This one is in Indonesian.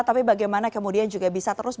tapi bagaimana kemudian juga bisa terus